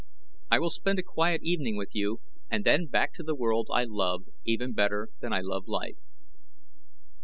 I will spend a quiet evening with you and then back to the world I love even better than I love life."